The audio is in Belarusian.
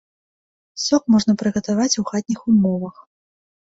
Сок можна прыгатаваць і ў хатніх умовах.